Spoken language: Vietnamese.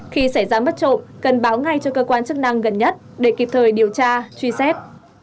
khi xảy ra mất trộm cần báo ngay cho cơ quan chức năng gần nhất để kịp thời điều tra truy xét